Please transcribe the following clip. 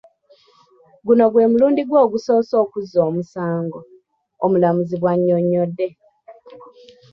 'Guno gwe mulundi gwe ogusoose okuzza omusango,” omulamuzi bw'annyonnyodde.